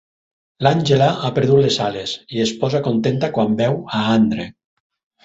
L'Àngela ha perdut les ales, i es posa contenta quan veu a Andre.